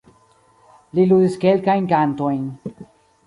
Li ludis kelkajn kantojn.